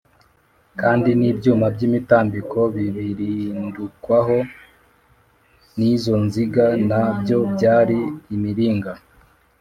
kandi n’ibyuma by’imitambiko bibirindukwaho n’izo nziga na byo byari imiringa